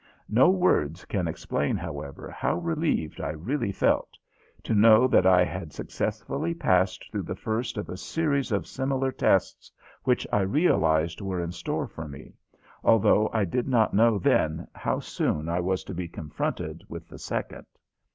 No words can explain, however, how relieved I really felt to know that I had successfully passed through the first of a series of similar tests which I realized were in store for me although I did not know then how soon I was to be confronted with the second.